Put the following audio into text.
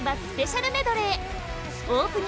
スペシャルメドレー！